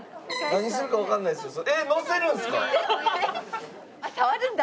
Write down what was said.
何するかわかんないですよ。